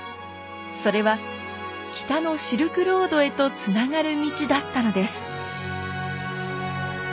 それは北のシルクロードへとつながる道だったのです。